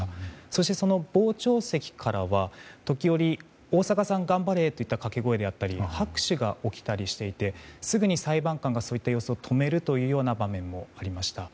そして、傍聴席からは時折、大坂さん頑張れといった掛け声であったり拍手が起きたりしていてすぐに裁判官がそういった様子を止めるというような場面もありました。